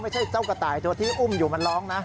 เจ้ากระต่ายตัวที่อุ้มอยู่มันร้องนะ